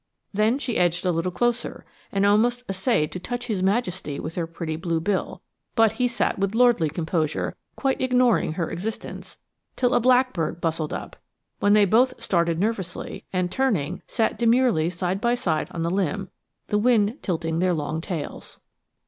Then she edged a little closer, and almost essayed to touch his majesty with her pretty blue bill, but he sat with lordly composure quite ignoring her existence till a blackbird bustled up, when they both started nervously, and turning, sat demurely side by side on the limb, the wind tilting their long tails.